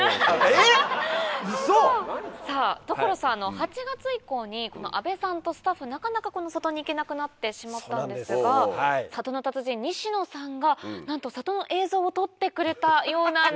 えっ⁉ウソ！所さん８月以降に阿部さんとスタッフなかなか里に行けなくなってしまったんですが里の達人・西野さんがなんと里の映像を撮ってくれたようなんです。